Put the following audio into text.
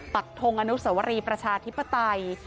ปักทงอนุสวรีประชาธิปไตย